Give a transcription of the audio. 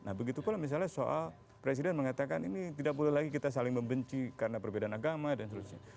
nah begitu kalau misalnya soal presiden mengatakan ini tidak boleh lagi kita saling membenci karena perbedaan agama dan sebagainya